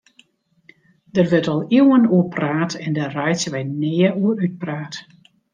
Dêr wurdt al iuwen oer praat en dêr reitsje we nea oer útpraat.